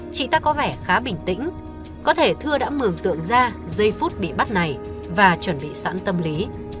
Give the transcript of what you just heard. chị ta có vẻ khá bình tĩnh có thể thưa đã mường tượng ra giây phút bị bắt này và chuẩn bị sẵn tâm lý